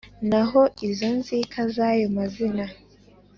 Naho izo nzika z`ayo mazina